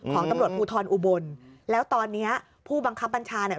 ของตำรวจภูทรอุบลแล้วตอนเนี้ยผู้บังคับบัญชาเนี่ย